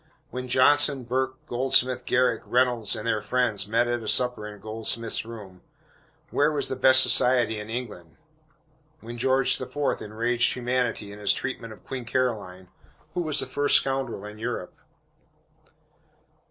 When Johnson, Burke, Goldsmith, Garrick, Reynolds, and their friends, met at supper in Goldsmith's rooms, where was the "best society" in England? When George the Fourth outraged humanity in his treatment of Queen Caroline, who was the first scoundrel in Europe?